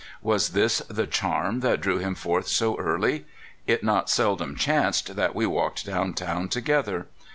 Was this the charm that drew him forth so early? It not seldom chanced that we walked down town together.